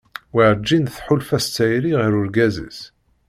Werǧin tḥulfa s tayri ɣer urgaz-is.